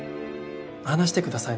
話してください